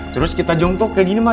terus kita jongkok kayak gini mas